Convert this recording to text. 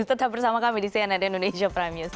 tetap bersama kami di cnn indonesia prime news